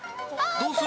どうする？